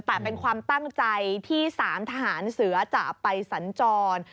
แต่เป็นความตั้งใจที่๓ทหารเสือจะไปสัญจร